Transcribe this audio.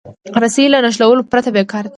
رسۍ له نښلولو پرته بېکاره ده.